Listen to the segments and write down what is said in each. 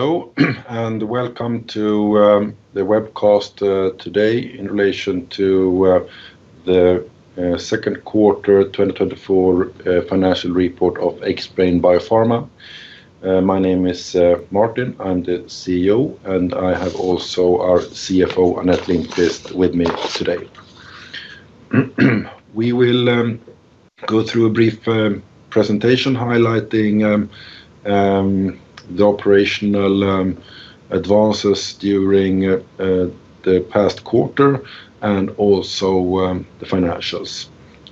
Hello, and welcome to the webcast today in relation to the Second Quarter 2024 financial report of Xbrane Biopharma. My name is Martin. I'm the CEO, and I have also our CFO, Anette Lindqvist, with me today. We will go through a brief presentation highlighting the operational advances during the past quarter and also the financials.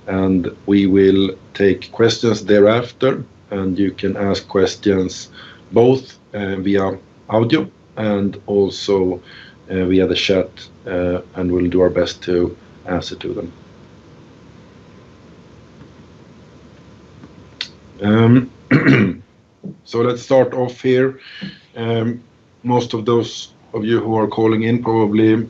And we will take questions thereafter, and you can ask questions both via audio and also via the chat, and we'll do our best to answer to them. So let's start off here. Most of those of you who are calling in probably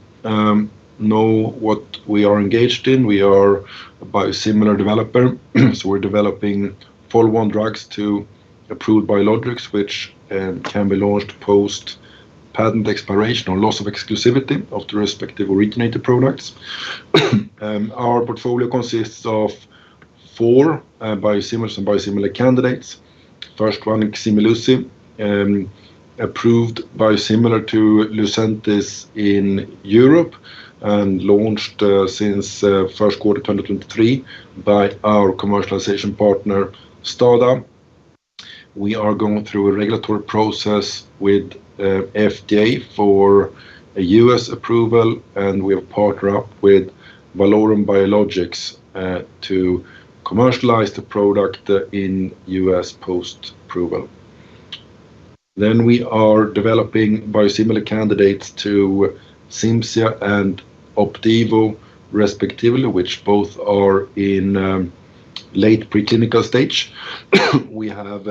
know what we are engaged in. We are a biosimilar developer, so we're developing follow-on drugs to approved biologics, which can be launched post-patent expiration or loss of exclusivity of the respective originator products. Our portfolio consists of four biosimilars and biosimilar candidates. First one, Ximluci, approved biosimilar to Lucentis in Europe and launched since first quarter 2023 by our commercialization partner, Stada. We are going through a regulatory process with FDA for a US approval, and we have partnered up with Valorum Biologics to commercialize the product in US post-approval. Then we are developing biosimilar candidates to Cimzia and Opdivo, respectively, which both are in late pre-clinical stage. We have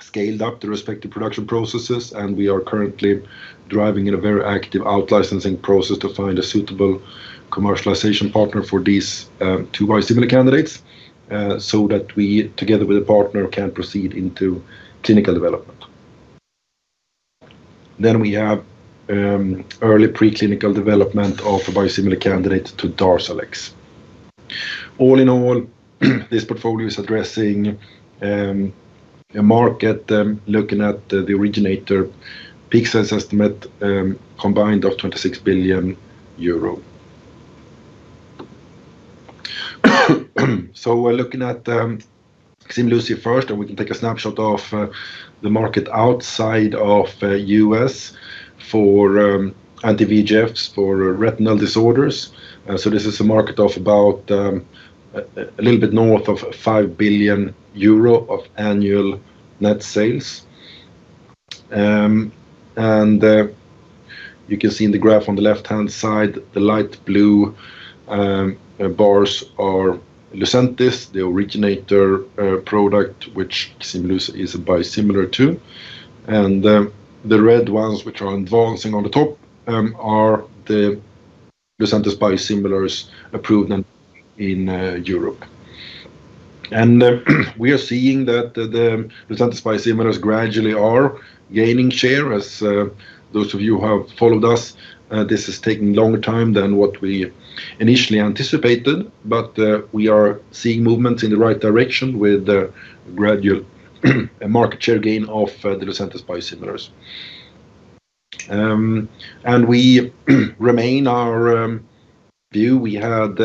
scaled up the respective production processes, and we are currently driving in a very active out-licensing process to find a suitable commercialization partner for these two biosimilar candidates, so that we, together with a partner, can proceed into clinical development, then we have early pre-clinical development of a biosimilar candidate to Darzalex. All in all, this portfolio is addressing a market looking at the originator peak sales estimate combined of EUR 26 billion, so we're looking at Ximluci first, and we can take a snapshot of the market outside of U.S. for anti-VEGFs for retinal disorders, so this is a market of about a little bit north of 5 billion euro of annual net sales. And you can see in the graph on the left-hand side, the light blue bars are Lucentis, the originator product, which Ximluci is a biosimilar to. And the red ones, which are advancing on the top, are the Lucentis biosimilars approved in Europe. And we are seeing that the Lucentis biosimilars gradually are gaining share. As those of you who have followed us, this is taking longer time than what we initially anticipated, but we are seeing movement in the right direction with the gradual market share gain of the Lucentis biosimilars. And we remain our view we had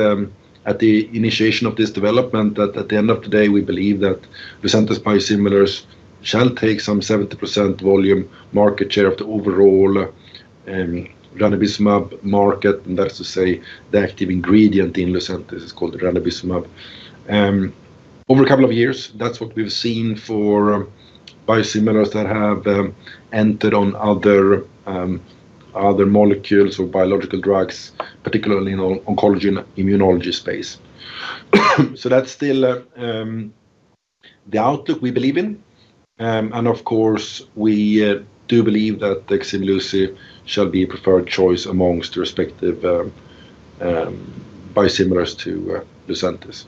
at the initiation of this development, that at the end of the day, we believe that Lucentis biosimilars shall take some 70% volume market share of the overall ranibizumab market, and that's to say the active ingredient in Lucentis is called ranibizumab. Over a couple of years, that's what we've seen for biosimilars that have entered on other molecules or biological drugs, particularly in oncology and immunology space. So that's still the outlook we believe in. And of course, we do believe that Ximluci shall be preferred choice amongst the respective biosimilars to Lucentis.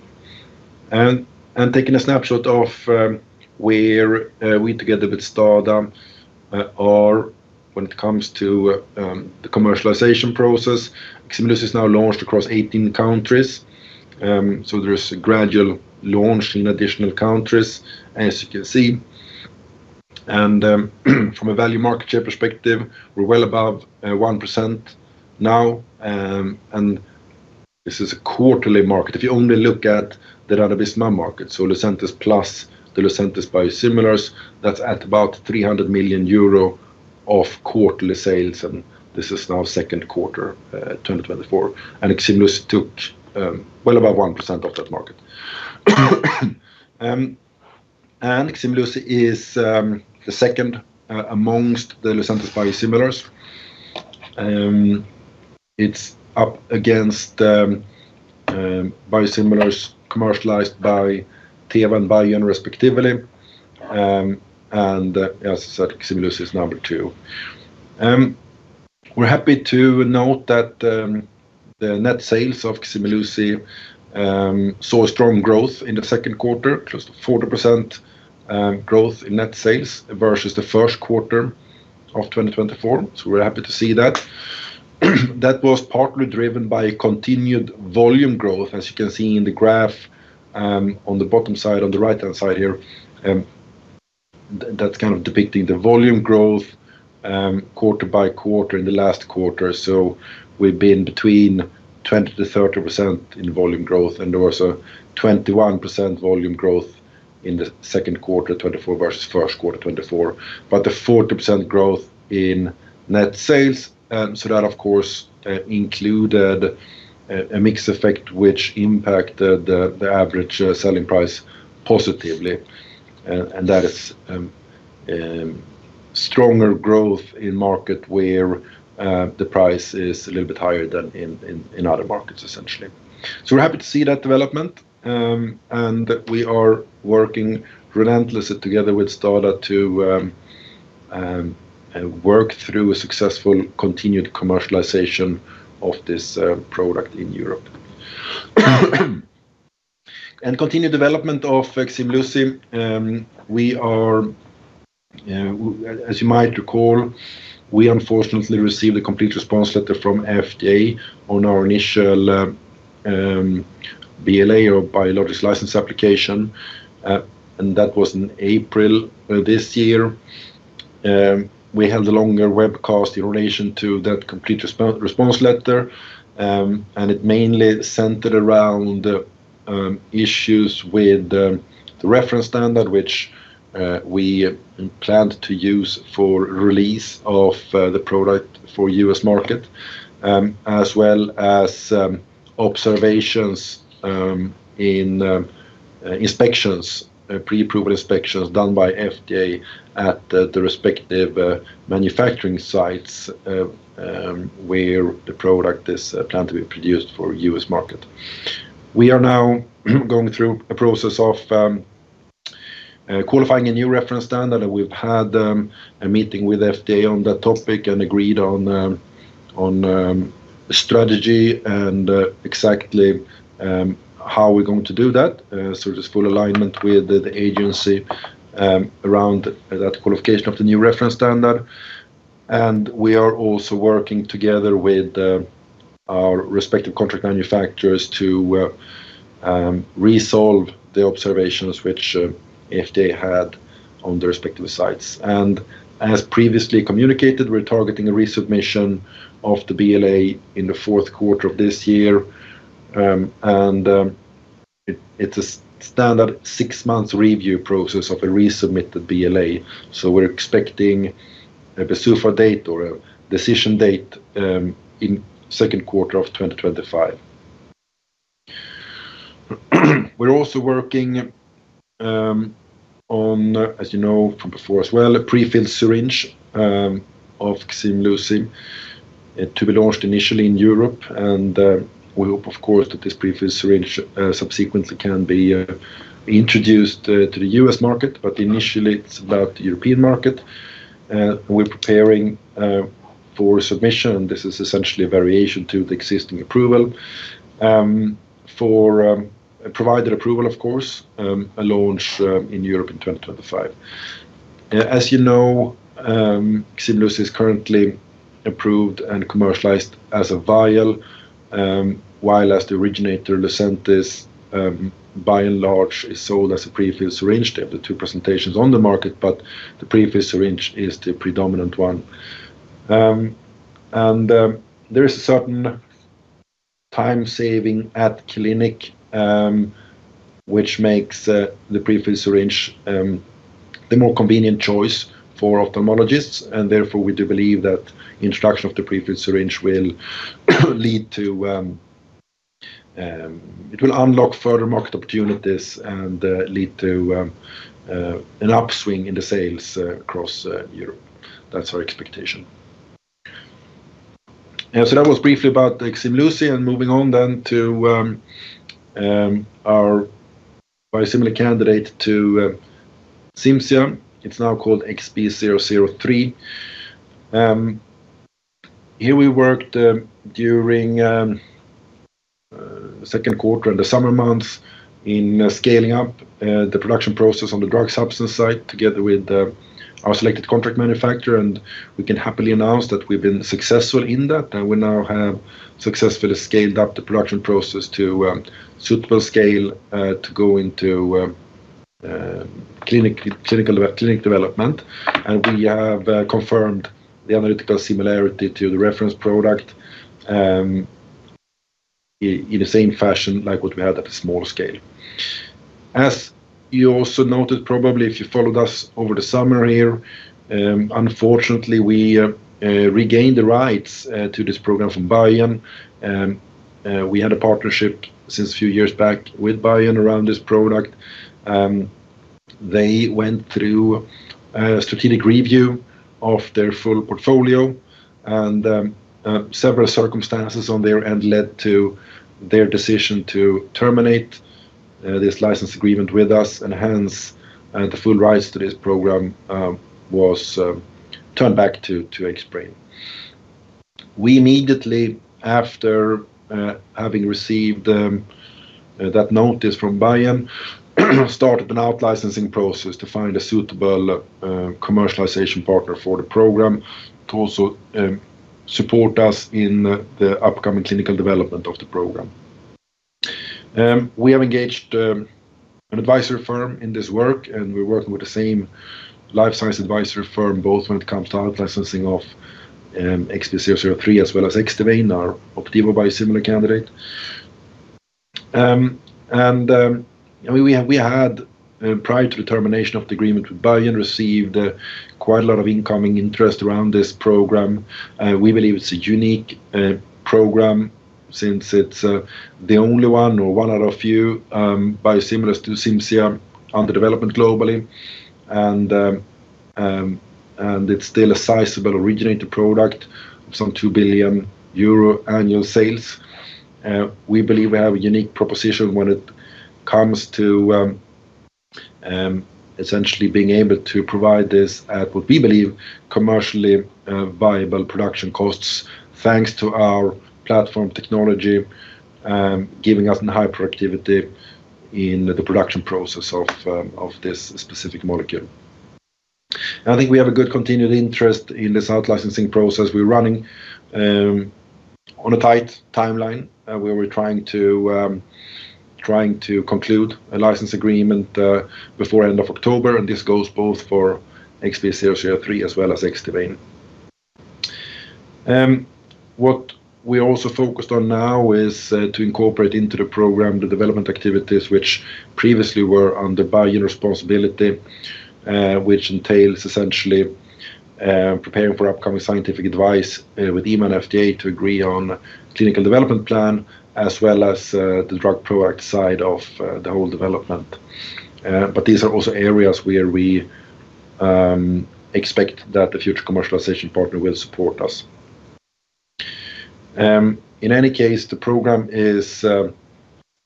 And taking a snapshot of where we together with Stada are when it comes to the commercialization process. Ximluci is now launched across 18 countries. So there is a gradual launch in additional countries, as you can see. And from a value market share perspective, we're well above 1% now. And this is a quarterly market. If you only look at the ranibizumab market, so Lucentis plus the Lucentis biosimilars, that's at about 300 million euro of quarterly sales, and this is now second quarter 2024, and Ximluci took well above 1% of that market. And Ximluci is the second amongst the Lucentis biosimilars. It's up against biosimilars commercialized by Teva and Biogen, respectively. And as I said, Ximluci is number two. We're happy to note that the net sales of Ximluci saw strong growth in the second quarter, close to 40% growth in net sales versus the first quarter of 2024. So we're happy to see that. That was partly driven by a continued volume growth, as you can see in the graph, on the bottom side, on the right-hand side here. That's kind of depicting the volume growth, quarter by quarter in the last quarter. So we've been between 20% to 30% in volume growth, and there was a 21% volume growth in the second quarter, 2024 versus first quarter, 2024. But the 40% growth in net sales, so that of course included a mix effect which impacted the average selling price positively. And that is stronger growth in market where the price is a little bit higher than in other markets, essentially. So we're happy to see that development, and we are working relentlessly together with Stada to work through a successful continued commercialization of this product in Europe and continued development of Ximluci. As you might recall, we unfortunately received a complete response letter from FDA on our initial BLA or Biologics License Application, and that was in April of this year. We held a longer webcast in relation to that complete response letter, and it mainly centered around issues with the reference standard, which we planned to use for release of the product for U.S. market. As well as observations in inspections, pre-approval inspections done by FDA at the respective manufacturing sites where the product is planned to be produced for US market. We are now going through a process of qualifying a new reference standard, and we've had a meeting with FDA on that topic and agreed on strategy and exactly how we're going to do that. So there's full alignment with the agency around that qualification of the new reference standard. And we are also working together with our respective contract manufacturers to resolve the observations which FDA had on the respective sites. And as previously communicated, we're targeting a resubmission of the BLA in the fourth quarter of this year. It's a standard six-month review process of a resubmitted BLA, so we're expecting a PDUFA date or a decision date in second quarter of 2025. We're also working on, as you know from before as well, a prefilled syringe of Ximluci to be launched initially in Europe. We hope, of course, that this prefilled syringe subsequently can be introduced to the US market, but initially, it's about the European market. We're preparing for submission, and this is essentially a variation to the existing approval, provided approval, of course, a launch in Europe in 2025. As you know, Ximluci is currently approved and commercialized as a vial, while as the originator, Lucentis, by and large, is sold as a prefilled syringe. They have the two presentations on the market, but the prefilled syringe is the predominant one, and there is a certain time saving at clinic, which makes the prefilled syringe the more convenient choice for ophthalmologists, and therefore, we do believe that introduction of the prefilled syringe will lead to. It will unlock further market opportunities and lead to an upswing in the sales across Europe. That's our expectation, so that was briefly about Ximluci, and moving on then to our biosimilar candidate to Cimzia. It's now called XB003. Here we worked during second quarter in the summer months in scaling up the production process on the drug substance site together with our selected contract manufacturer. And we can happily announce that we've been successful in that, and we now have successfully scaled up the production process to suitable scale to go into clinical development. And we have confirmed the analytical similarity to the reference product in the same fashion like what we had at the small scale. As you also noted, probably if you followed us over the summer here, unfortunately, we regained the rights to this program from Biogen. We had a partnership since a few years back with Biogen around this product. They went through a strategic review of their full portfolio, and several circumstances on their end led to their decision to terminate. This license agreement with us, and hence, the full rights to this program, was turned back to Xbrane. We immediately, after having received that notice from Biogen, started an out-licensing process to find a suitable commercialization partner for the program. To also support us in the upcoming clinical development of the program. We have engaged an advisory firm in this work, and we're working with the same life science advisory firm, both when it comes to out-licensing of XB003, as well as Xdivane, our Opdivo biosimilar candidate. We had, prior to the termination of the agreement with Biogen, received quite a lot of incoming interest around this program. We believe it's a unique program, since it's the only one or one out of few biosimilars to Cimzia under development globally. And it's still a sizable originator product, some 2 billion euro annual sales. We believe we have a unique proposition when it comes to essentially being able to provide this at, what we believe, commercially viable production costs, thanks to our platform technology, giving us a high productivity in the production process of this specific molecule. I think we have a good continued interest in this out-licensing process. We're running on a tight timeline where we're trying to conclude a license agreement before end of October, and this goes both for XB003 as well as Xdivane. What we're also focused on now is to incorporate into the program the development activities which previously were under Biogen responsibility. Which entails essentially preparing for upcoming scientific advice with EMA and FDA to agree on clinical development plan, as well as the drug product side of the whole development. But these are also areas where we expect that the future commercialization partner will support us. In any case, the program is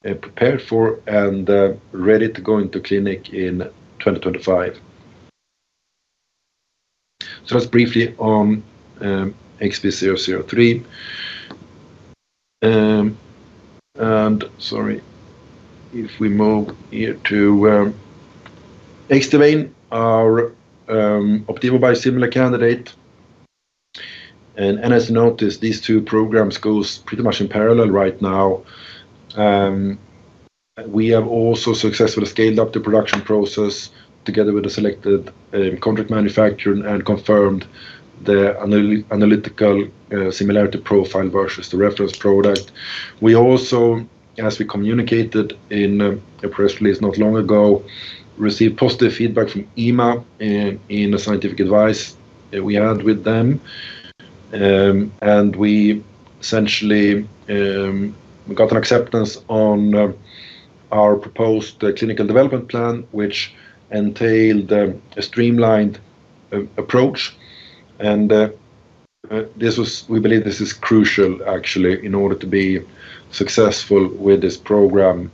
prepared for and ready to go into clinic in twenty twenty-five. So that's briefly on XB003, and sorry if we move here to Xdivane, our Opdivo biosimilar candidate, and as noticed, these two programs goes pretty much in parallel right now. We have also successfully scaled up the production process together with the selected contract manufacturer, and confirmed the analytical similarity profile versus the reference product. We also, as we communicated in a press release not long ago, received positive feedback from EMA in a scientific advice that we had with them. We essentially got an acceptance on our proposed clinical development plan, which entailed a streamlined approach. We believe this is crucial, actually, in order to be successful with this program.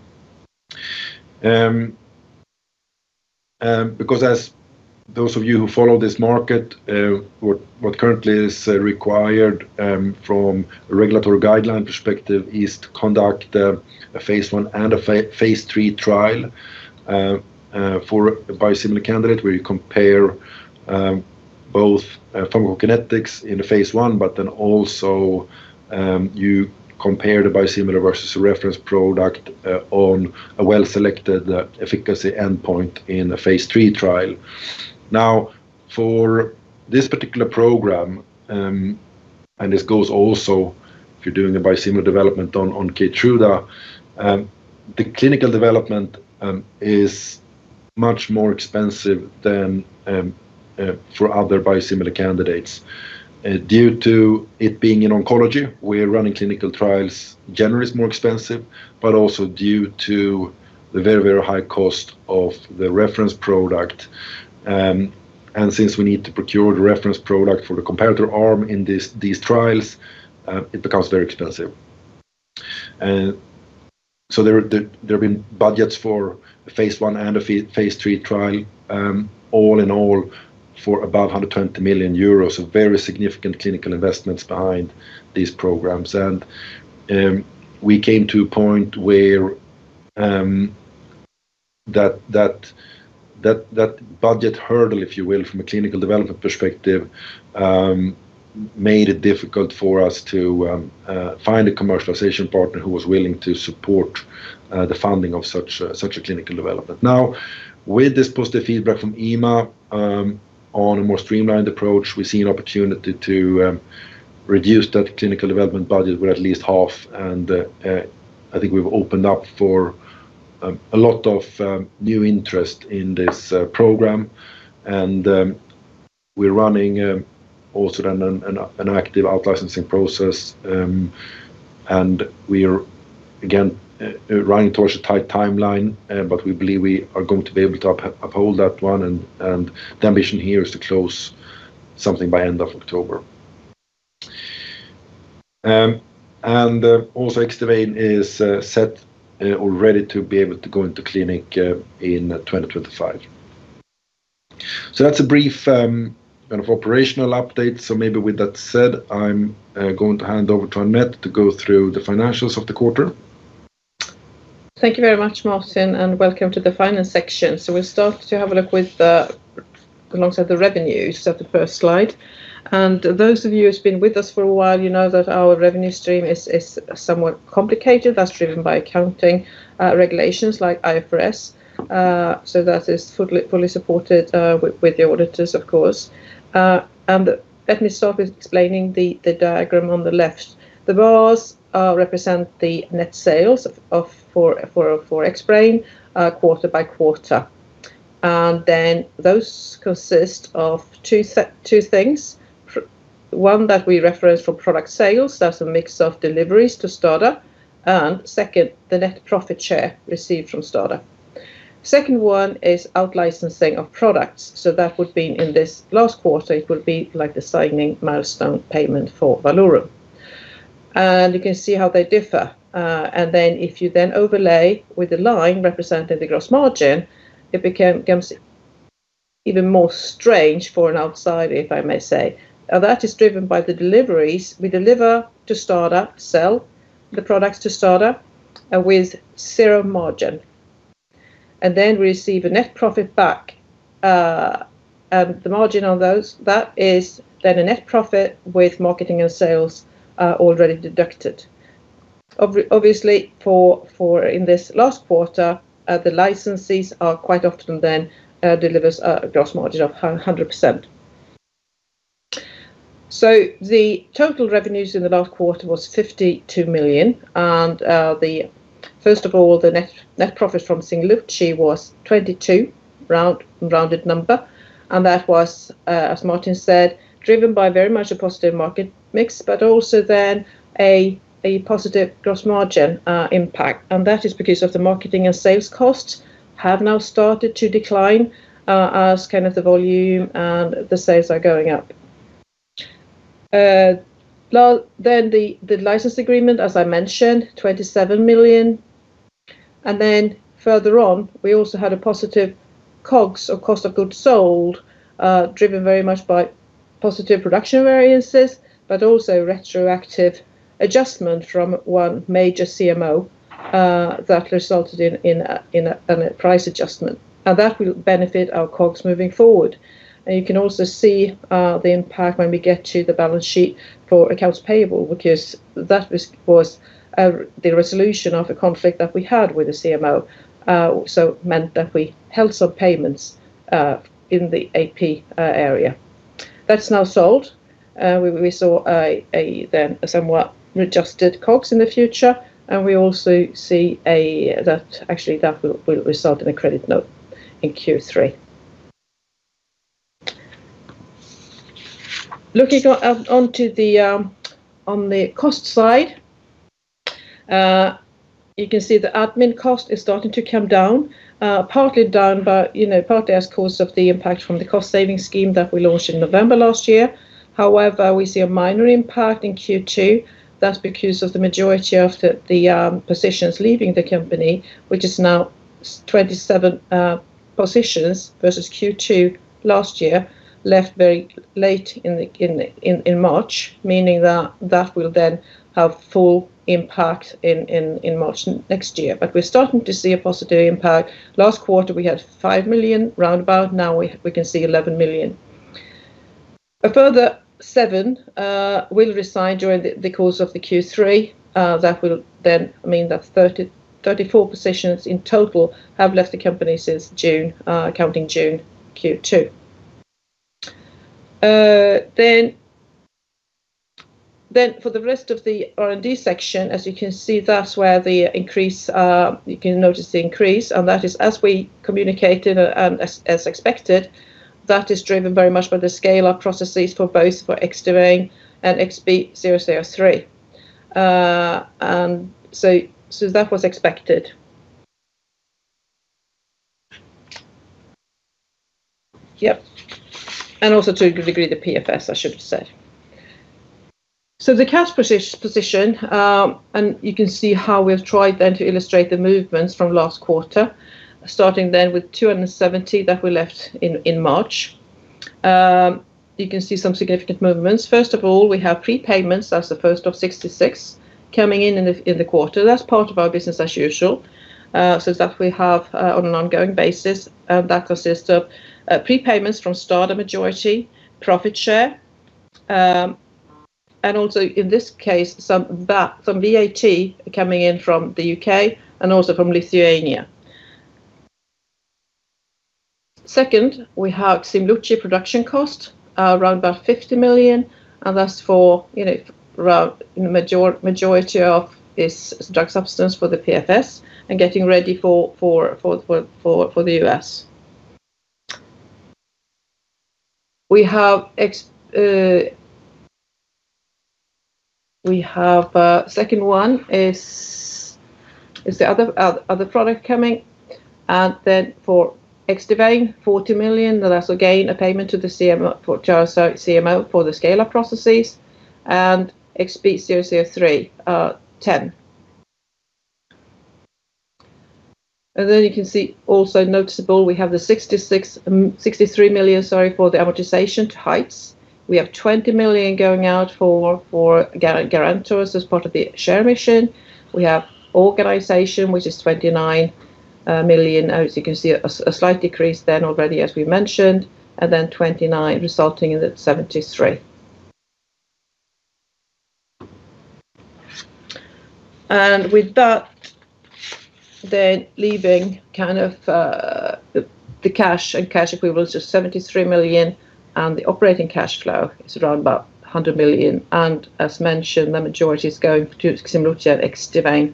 Because as those of you who follow this market, what currently is required from a regulatory guideline perspective is to conduct a phase I and a phase III trial for a biosimilar candidate, where you compare both pharmacokinetics in the phase I, but then also you compare the biosimilar versus a reference product on a well-selected efficacy endpoint in the phase III trial. Now, for this particular program, and this goes also if you're doing a biosimilar development on Keytruda, the clinical development is much more expensive than for other biosimilar candidates. Due to it being in oncology, we're running clinical trials generally is more expensive, but also due to the very, very high cost of the reference product. And since we need to procure the reference product for the comparator arm in this, these trials, it becomes very expensive. So there have been budgets for phase I and a phase III trial, all in all, for about 120 million euros. So very significant clinical investments behind these programs. And we came to a point where that budget hurdle, if you will, from a clinical development perspective, made it difficult for us to find a commercialization partner who was willing to support the funding of such a clinical development. Now, with this positive feedback from EMA on a more streamlined approach, we see an opportunity to reduce that clinical development budget with at least half, and I think we've opened up for a lot of new interest in this program, and we're running also an active out-licensing process, and we are again running towards a tight timeline, but we believe we are going to be able to uphold that one, and the ambition here is to close something by end of October, and also Xdivane is set or ready to be able to go into clinic in twenty twenty-five, so that's a brief kind of operational update, so maybe with that said, I'm going to hand over to Anette to go through the financials of the quarter. Thank you very much, Martin, and welcome to the finance section. So we'll start to have a look, alongside the revenues, at the first slide. And those of you who's been with us for a while, you know that our revenue stream is somewhat complicated. That's driven by accounting regulations like IFRS. So that is fully supported with the auditors, of course. And let me start with explaining the diagram on the left. The bars represent the net sales for Xbrane quarter by quarter. And then those consist of two things. One that we reference for product sales, that's a mix of deliveries to Stada, and second, the net profit share received from Stada. Second one is out-licensing of products, so that would be in this last quarter, it would be like the signing milestone payment for Valorum. And you can see how they differ. And then if you then overlay with the line representing the gross margin, it becomes even more strange for an outsider, if I may say. That is driven by the deliveries. We deliver to Stada, sell the products to Stada, with zero margin, and then we receive a net profit back. And the margin on those, that is then a net profit with marketing and sales already deducted. Obviously, for in this last quarter, the licensees are quite often then delivers a gross margin of 100%. So the total revenues in the last quarter was 52 million, and the... First of all, the net net profit from Ximluci was 22, a round number, and that was, as Martin said, driven very much by a positive market mix, but also a positive gross margin impact. That is because the marketing and sales costs have now started to decline, as kind of the volume and the sales are going up. Then the license agreement, as I mentioned, 27 million SEK. And then further on, we also had a positive COGS, or cost of goods sold, driven very much by positive production variances, but also retroactive adjustment from one major CMO that resulted in a price adjustment. And that will benefit our COGS moving forward. And you can also see the impact when we get to the balance sheet for accounts payable, because that was the resolution of a conflict that we had with the CMO. So it meant that we held some payments in the AP area. That's now sold. We saw a somewhat Adjusted COGS in the future, and we also see that actually that will result in a credit note in Q3. Looking out onto the cost side, you can see the admin cost is starting to come down, partly down by, you know, partly as a cause of the impact from the cost-saving scheme that we launched in November last year. However, we see a minor impact in Q2. That's because of the majority of the positions leaving the company, which is now seventy-seven positions versus Q2 last year, left very late in March, meaning that that will then have full impact in March next year. But we're starting to see a positive impact. Last quarter, we had 5 million roundabout, now we can see 11 million. A further seven will resign during the course of the Q3. That will then mean that thirty-four positions in total have left the company since June, counting June, Q2. Then for the rest of the R&D section, as you can see, that's where the increase you can notice the increase, and that is, as we communicated and as expected, that is driven very much by the scale-up processes for both for Xdivane and XB003. And so that was expected. Yep. And also, to a degree, the PFS, I should say. So the cash position, and you can see how we've tried then to illustrate the movements from last quarter. Starting then with two hundred and seventy that we left in March. You can see some significant movements. First of all, we have prepayments, that's the first of sixty-six, coming in in the quarter. That's part of our business as usual, so that we have on an ongoing basis, and that consists of prepayments from Stada, majority profit share, and also, in this case, some VAT coming in from the UK and also from Lithuania. Second, we have Ximluci production cost around about 50 million, and that's for, you know, around majority of this drug substance for the PFS and getting ready for the US. We have. Second one is the other product coming. And then for Xdivane, 40 million, that's again, a payment to the CMO for CRO, CMO for the scale-up processes, and XB003, SEK 10. And then you can see also noticeable, we have the 63 million, sorry, for the amortization of rights. We have 20 million going out for guarantees as part of the share issue. We have operating expenses, which is 29 million, as you can see, a slight decrease then already, as we mentioned, and then 29 resulting in the 73. And with that, then leaving the cash and cash equivalents of 73 million, and the operating cash flow is around 100 million. And as mentioned, the majority is going to Ximluci and Xdivane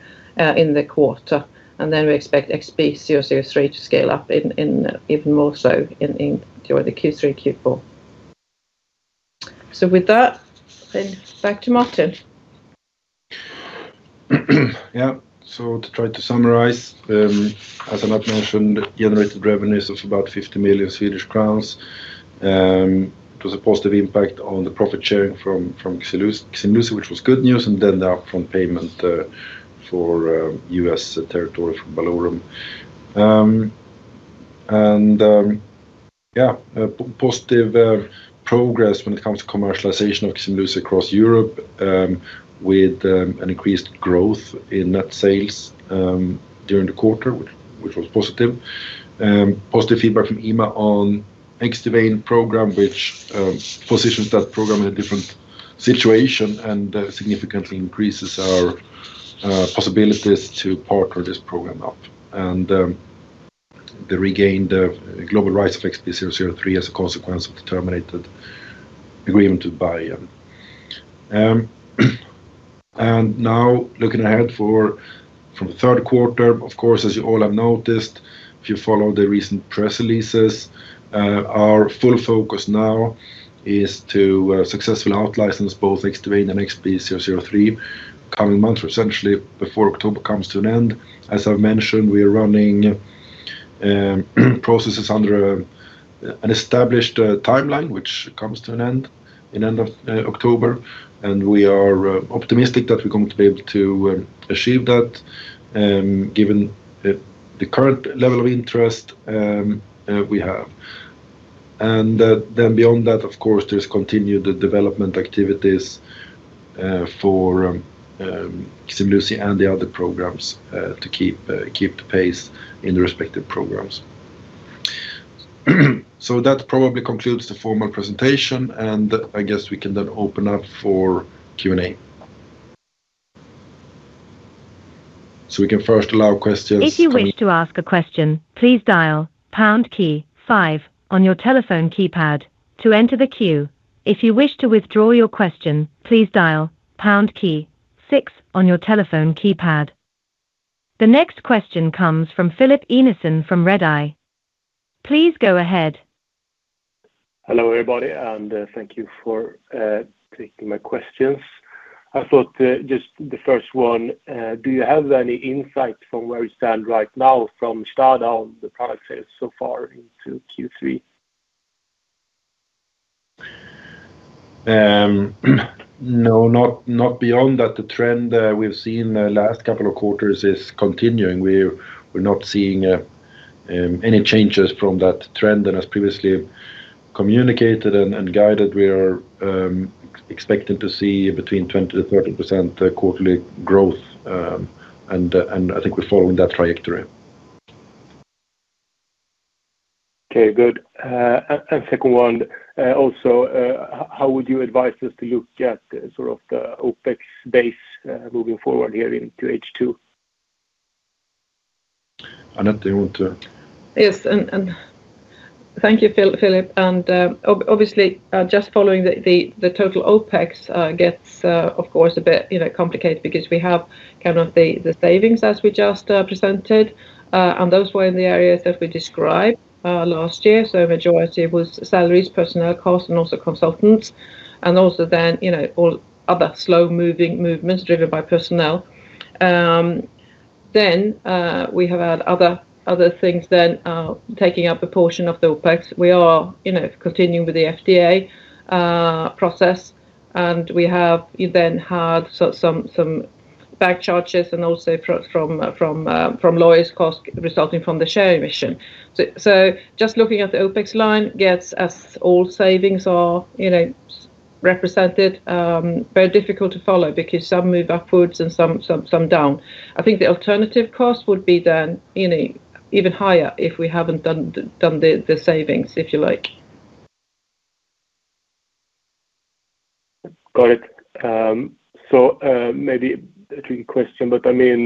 in the quarter, and then we expect XB003 to scale up in even more so during the Q3, Q4. With that, then back to Martin. Yeah. So to try to summarize, as I mentioned, generated revenues of about 50 million Swedish crowns. It was a positive impact on the profit sharing from Ximluci, which was good news, and then the upfront payment for US territory from Valorum. And yeah, positive progress when it comes to commercialization of Ximluci across Europe, with an increased growth in net sales during the quarter, which was positive. Positive feedback from EMA on Xdivane program, which positions that program in a different situation and significantly increases our possibilities to partner this program up. And the regained global rights of XB003 as a consequence of the terminated agreement with Biogen. And now looking ahead for... From the third quarter, of course, as you all have noticed, if you follow the recent press releases, our full focus now is to successfully outlicense both Xdivane and XB003 coming months, essentially before October comes to an end. As I've mentioned, we are running processes under an established timeline, which comes to an end in end of October. And we are optimistic that we're going to be able to achieve that, given the current level of interest we have. And then beyond that, of course, there's continued the development activities for Ximluci and the other programs to keep the pace in the respective programs. So that probably concludes the formal presentation, and I guess we can then open up for Q&A. So we can first allow questions to- If you wish to ask a question, please dial pound key five on your telephone keypad to enter the queue. If you wish to withdraw your question, please dial pound key six on your telephone keypad. The next question comes from Filip Enebrink from Redeye. Please go ahead. Hello, everybody, and thank you for taking my questions. I thought, just the first one, do you have any insight from where you stand right now from start on the product sales so far into Q3? No, not beyond that. The trend we've seen the last couple of quarters is continuing. We're not seeing any changes from that trend. And as previously communicated and guided, we are expecting to see between 20%-30% quarterly growth, and I think we're following that trajectory. Okay, good. And second one, also, how would you advise us to look at sort of the OpEx base, moving forward here into H2? Anette, do you want to? Yes, and thank you, Filip. Obviously, just following the total OpEx gets of course a bit, you know, complicated because we have kind of the savings as we just presented. Those were in the areas that we described last year. So majority was salaries, personnel costs, and also consultants, and also then, you know, all other slow-moving movements driven by personnel. Then we have had other things then taking up a portion of the OpEx. We are, you know, continuing with the FDA process, and we have then had some back charges and also from lawyers' cost resulting from the share emission. Just looking at the OpEx line gets us all savings are, you know, represented very difficult to follow because some move upwards and some down. I think the alternative cost would be then, you know, even higher if we haven't done the savings, if you like. Got it. So, maybe a tricky question, but I mean,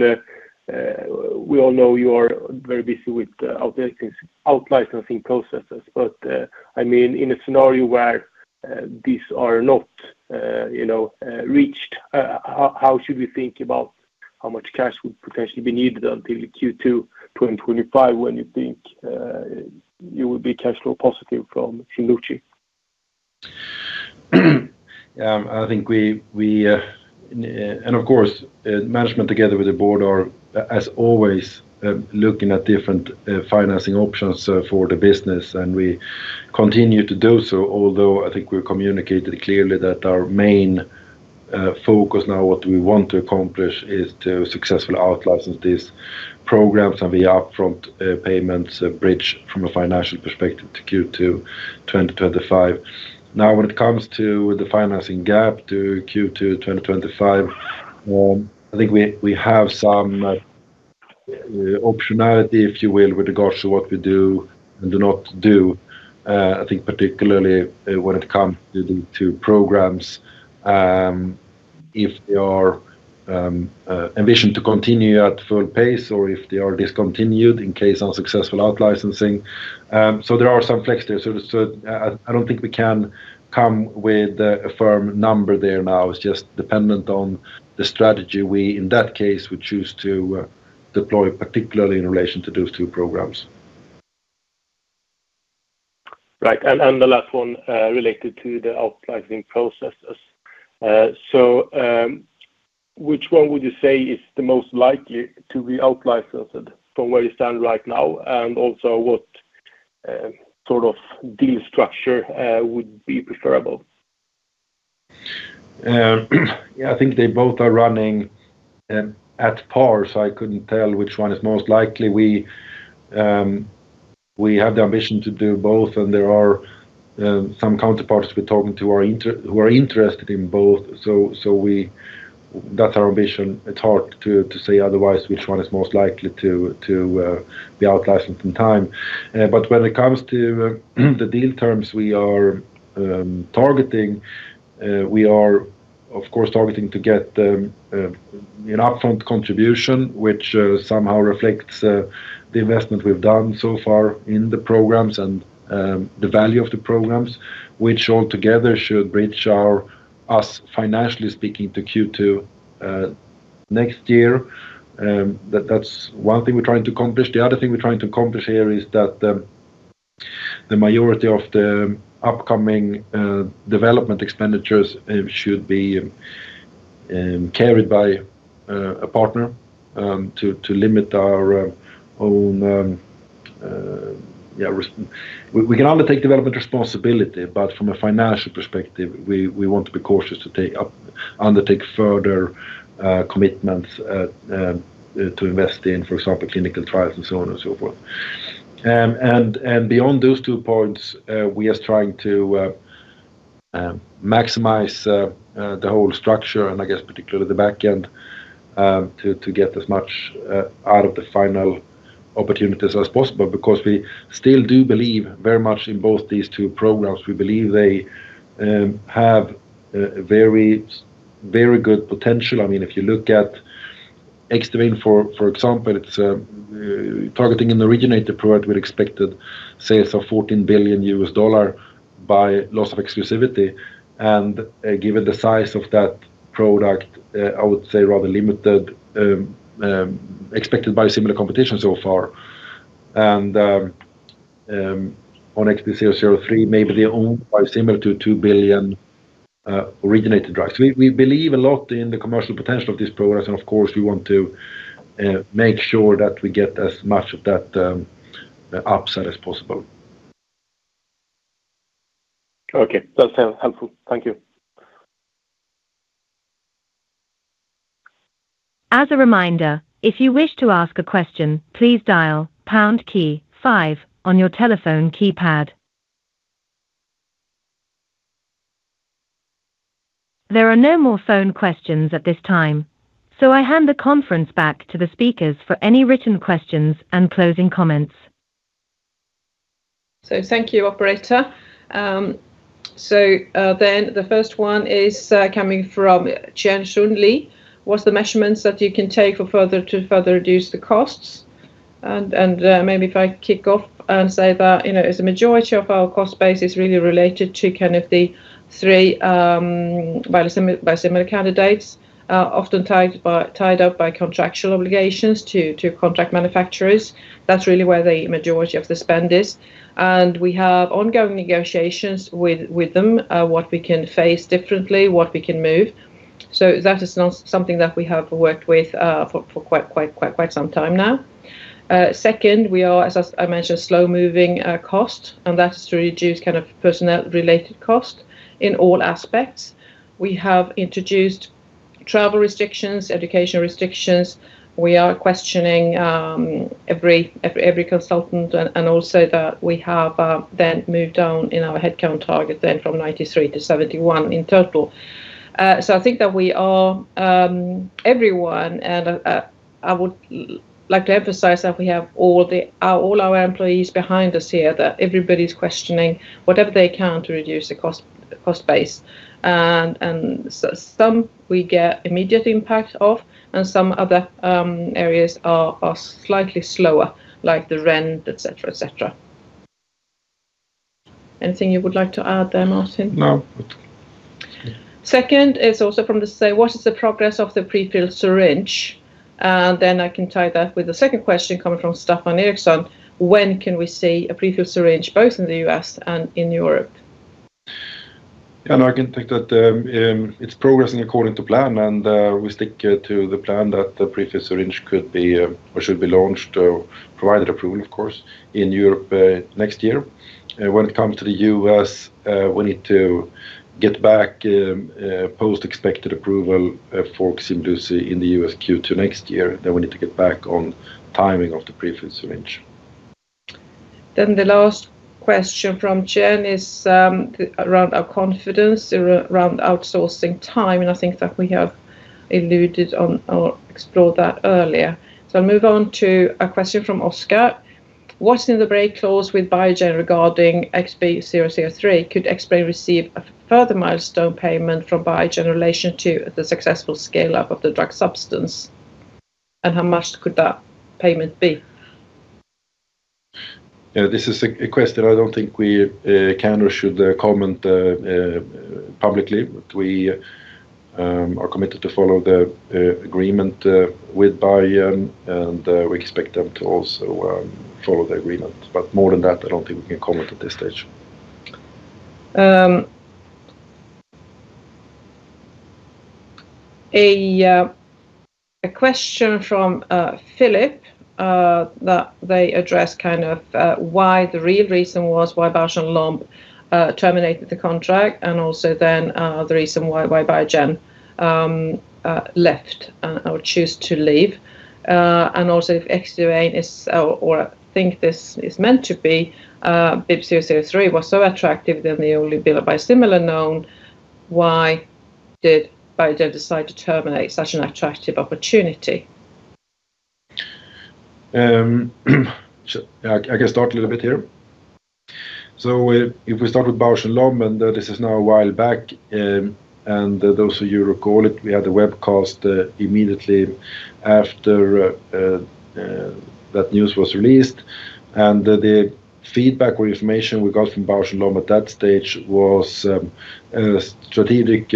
we all know you are very busy with outlicensing, out-licensing processes, but, I mean, in a scenario where these are not, you know, reached, how should we think about how much cash would potentially be needed until Q2 2025, when you think you will be cash flow positive from Ximluci?... I think we and of course management together with the board are, as always, looking at different financing options for the business, and we continue to do so. Although, I think we've communicated clearly that our main focus now, what we want to accomplish, is to successfully out-license these programs and the upfront payments bridge from a financial perspective to Q2 2025. Now, when it comes to the financing gap to Q2 2025, I think we have some optionality, if you will, with regards to what we do and do not do. I think particularly when it comes to the two programs, if they are envisioned to continue at full pace or if they are discontinued in case unsuccessful out-licensing, so there are some flex there. I don't think we can come with a firm number there now. It's just dependent on the strategy we, in that case, would choose to deploy, particularly in relation to those two programs. Right. And the last one related to the out-licensing processes. So, which one would you say is the most likely to be out-licensed from where you stand right now? And also, what sort of deal structure would be preferable? Yeah, I think they both are running at par, so I couldn't tell which one is most likely. We have the ambition to do both, and there are some counterparts we're talking to who are interested in both, so we... That's our ambition. It's hard to say otherwise which one is most likely to be out-licensed in time. But when it comes to the deal terms we are targeting, we are, of course, targeting to get an upfront contribution, which somehow reflects the investment we've done so far in the programs and the value of the programs, which altogether should bridge us financially speaking to Q2 next year. That, that's one thing we're trying to accomplish. The other thing we're trying to accomplish here is that the majority of the upcoming development expenditures should be carried by a partner to limit our own. We can undertake development responsibility, but from a financial perspective, we want to be cautious to undertake further commitments to invest in, for example, clinical trials and so on and so forth, and beyond those two points, we are trying to maximize the whole structure, and I guess particularly the back end, to get as much out of the final opportunities as possible, because we still do believe very much in both these two programs. We believe they have a very very good potential. I mean, if you look at Xdivane, for example, it's targeting an originator product with expected sales of $14 billion by loss of exclusivity. And, given the size of that product, I would say rather limited expected biosimilar competition so far. And, on XB003, maybe our own biosimilar to $2 billion originator drugs. We believe a lot in the commercial potential of these programs, and of course, we want to make sure that we get as much of that upside as possible. Okay, that's helpful. Thank you. As a reminder, if you wish to ask a question, please dial pound key five on your telephone keypad. There are no more phone questions at this time, so I hand the conference back to the speakers for any written questions and closing comments. Thank you, operator. The first one is coming from Chen Shun Li. "What's the measurements that you can take to further reduce the costs?" And maybe if I kick off and say that, you know, as a majority of our cost base is really related to kind of the three biosimilar candidates, are often tied up by contractual obligations to contract manufacturers. That's really where the majority of the spend is. And we have ongoing negotiations with them, what we can face differently, what we can move. So that is not something that we have worked with for quite some time now. Second, we are, as I mentioned, slow-moving cost, and that is to reduce kind of personnel-related cost in all aspects. We have introduced travel restrictions, educational restrictions. We are questioning every consultant and also that we have then moved on in our headcount target then from 93 to 71 in total. So I think that we are everyone, and I would like to emphasize that we have all our employees behind us here, that everybody's questioning whatever they can to reduce the cost base. And so some we get immediate impact of, and some other areas are slightly slower, like the rent, et cetera. Anything you would like to add there, Martin? No. Second is also from the same: "What is the progress of the prefilled syringe?"...and then I can tie that with the second question coming from Stefan Ericsson. When can we see a prefilled syringe both in the U.S. and in Europe? Yeah, and I can take that. It's progressing according to plan, and we stick to the plan that the prefilled syringe could be or should be launched, provided approval, of course, in Europe next year. When it comes to the US, we need to get back post expected approval for Ximluci in the US Q2 next year, then we need to get back on timing of the prefilled syringe. Then the last question from Chen is around our confidence around outsourcing time, and I think that we have alluded to or explored that earlier. So I'll move on to a question from Oscar. What's in the break clause with Biogen regarding XB003? Could Xbrane receive a further milestone payment from Biogen in relation to the successful scale-up of the drug substance, and how much could that payment be? Yeah, this is a question I don't think we can or should comment publicly. But we are committed to follow the agreement with Biogen, and we expect them to also follow the agreement. But more than that, I don't think we can comment at this stage. A question from Filip that they address kind of why the real reason was why Bausch + Lomb terminated the contract, and also then the reason why Biogen left or choose to leave. And also, if XB003 is, or I think this is meant to be XB003 was so attractive, then the only biosimilar known, why did Biogen decide to terminate such an attractive opportunity? So I can start a little bit here. So if we start with Bausch + Lomb, and this is now a while back, and those of you who recall it, we had a webcast immediately after that news was released. And the feedback or information we got from Bausch + Lomb at that stage was a strategic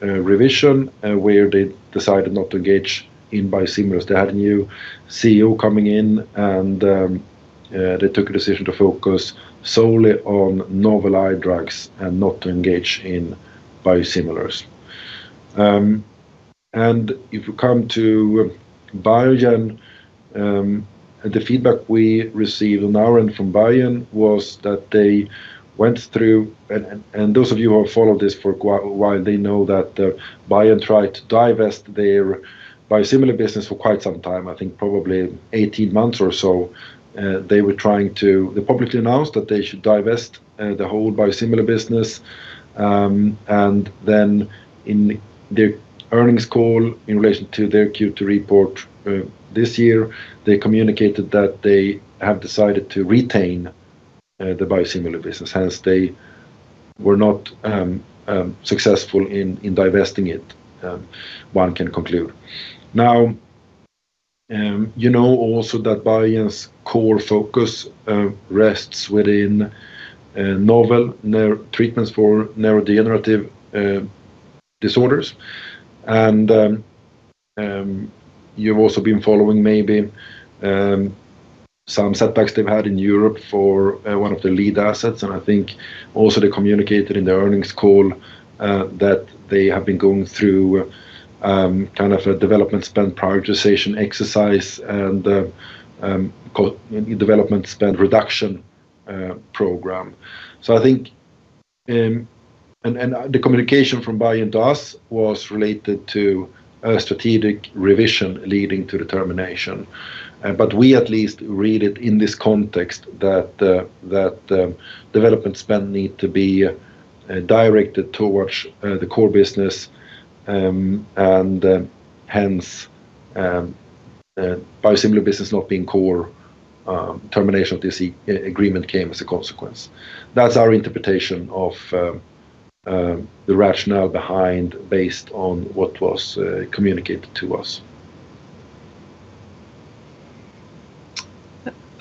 revision where they decided not to engage in biosimilars. They had a new CEO coming in, and they took a decision to focus solely on novel eye drugs and not to engage in biosimilars. And if you come to Biogen, the feedback we received on our end from Biogen was that they went through... Those of you who have followed this for quite a while know that Biogen tried to divest their biosimilar business for quite some time, I think probably eighteen months or so. They publicly announced that they should divest the whole biosimilar business. And then in their earnings call, in relation to their Q2 report this year, they communicated that they have decided to retain the biosimilar business. Hence they were not successful in divesting it, one can conclude. Now you know also that Biogen's core focus rests within novel neuro-treatments for neurodegenerative disorders, and you've also been following maybe some setbacks they've had in Europe for one of their lead assets. I think also they communicated in their earnings call that they have been going through kind of a development spend prioritization exercise and co-development spend reduction program. So I think and the communication from Biogen to us was related to a strategic revision leading to the termination. But we at least read it in this context, that development spend need to be directed towards the core business. And hence biosimilar business not being core, termination of this agreement came as a consequence. That's our interpretation of the rationale behind, based on what was communicated to us.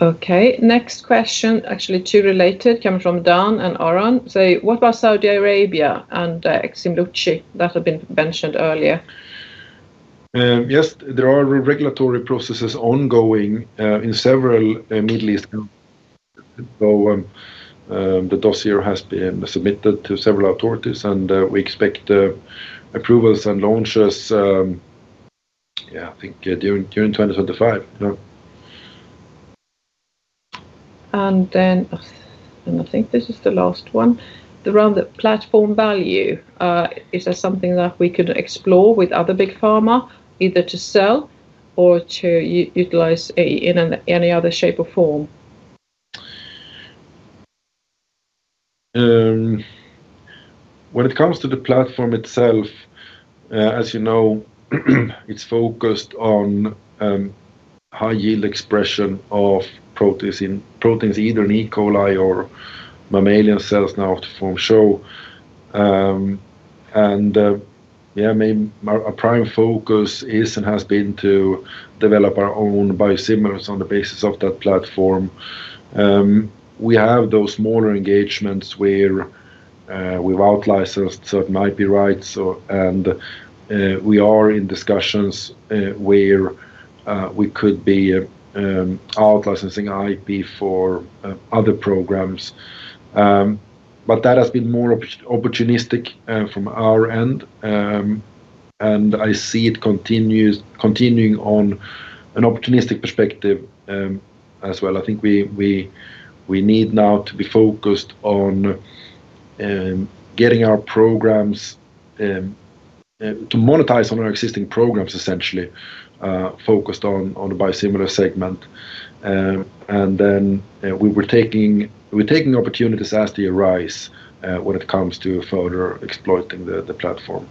Okay, next question, actually, two related, come from Dan and Aaron. Say, "What about Saudi Arabia and Ximluci that had been mentioned earlier? Yes, there are regulatory processes ongoing in several Middle East. The dossier has been submitted to several authorities, and we expect approvals and launches. I think during 2025. And then, and I think this is the last one. Around the platform value, is there something that we could explore with other big pharma, either to sell or to utilize it in any other shape or form? When it comes to the platform itself, as you know, it's focused on high-yield expression of complex proteins, either in E. coli or mammalian cells, not to foreclose. I mean, our prime focus is and has been to develop our own biosimilars on the basis of that platform. We have those smaller engagements where we've out-licensed, so it might be right. We are in discussions where we could be out-licensing IP for other programs. But that has been more opportunistic from our end. I see it continuing on an opportunistic perspective, as well. I think we need now to be focused on getting our programs to monetize on our existing programs, essentially, focused on the biosimilar segment, and then we were taking, we're taking opportunities as they arise when it comes to further exploiting the platform.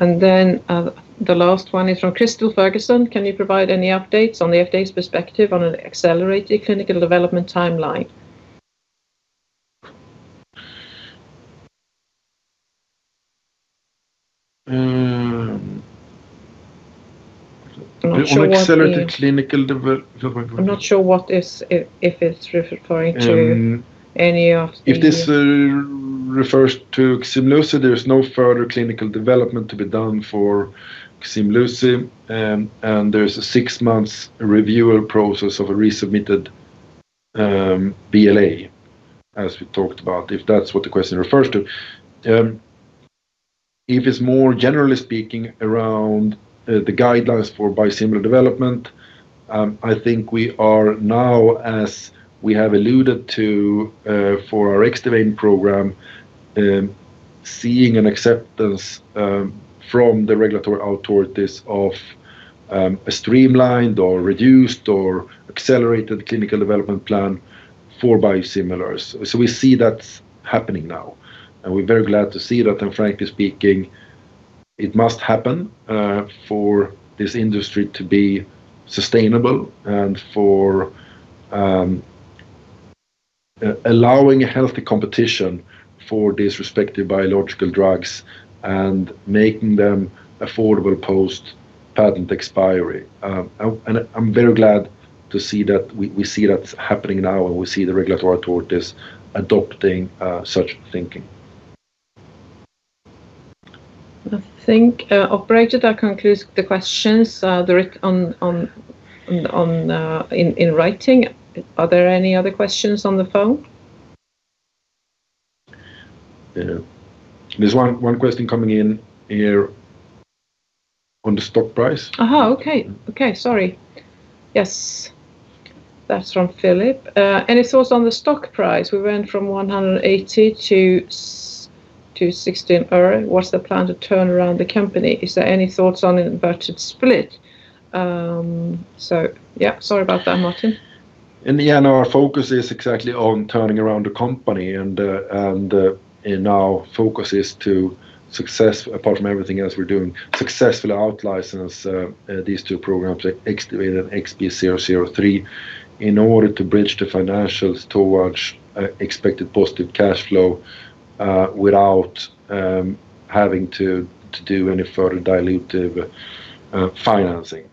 And then, the last one is from Crystal Ferguson. "Can you provide any updates on the FDA's perspective on an accelerated clinical development timeline? On accelerated clinical devel- I'm not sure what it is if it's referring to any of these. If this refers to Ximluci, there's no further clinical development to be done for Ximluci, and there's a six-month reviewer process of a resubmitted BLA, as we talked about, if that's what the question refers to. If it's more generally speaking around the guidelines for biosimilar development, I think we are now, as we have alluded to, for our Xdivane program, seeing an acceptance from the regulatory authorities of a streamlined or reduced or accelerated clinical development plan for biosimilars. So we see that happening now, and we're very glad to see that, and frankly speaking, it must happen for this industry to be sustainable and for allowing healthy competition for these respective biological drugs and making them affordable post-patent expiry. I'm very glad to see that we see that happening now, and we see the regulatory authorities adopting such thinking. I think, operator, that concludes the questions in writing. Are there any other questions on the phone? Yeah. There's one question coming in here on the stock price. Okay. Sorry. Yes, that's from Filip. "Any thoughts on the stock price? We went from one hundred and eighty to sixty in a year. What's the plan to turn around the company? Is there any thoughts on an inverted split?" Yeah, sorry about that, Martin. In the end, our focus is exactly on turning around the company, and our focus is to, apart from everything else we're doing, successfully out-license these two programs, Xdivane and XB003, in order to bridge the financials towards expected positive cash flow, without having to do any further dilutive financing.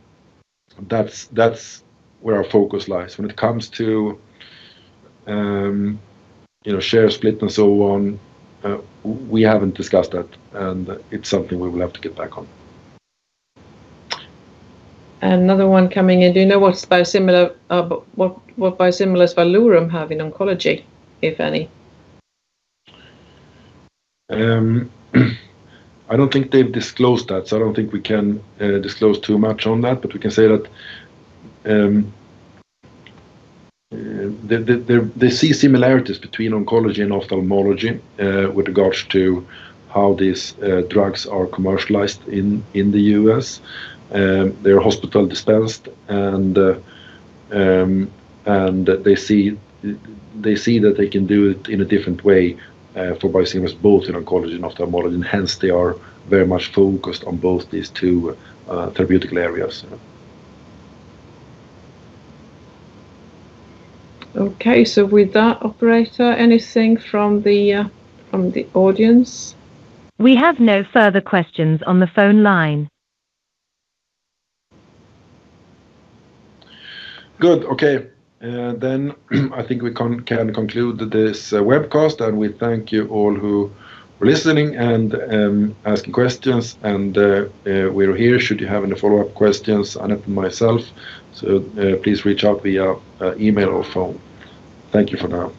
That's where our focus lies. When it comes to, you know, share split and so on, we haven't discussed that, and it's something we will have to get back on. Another one coming in: "Do you know what biosimilars Valorum have in oncology, if any? I don't think they've disclosed that, so I don't think we can disclose too much on that, but we can say that they see similarities between oncology and ophthalmology with regards to how these drugs are commercialized in the U.S. They are hospital-dispensed, and they see that they can do it in a different way for biosimilars, both in oncology and ophthalmology. Hence, they are very much focused on both these two therapeutic areas. Okay. So with that, operator, anything from the audience? We have no further questions on the phone line. Good. Okay. Then, I think we can conclude this webcast, and we thank you all who were listening and asking questions. And we're here should you have any follow-up questions, Anette and myself. So, please reach out via email or phone. Thank you for now.